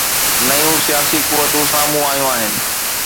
نيون سياسي قوتون سامهون آيون آهن.